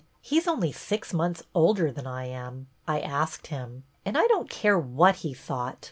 He 's only six months older than I am — I asked him — and I don't care what he thought.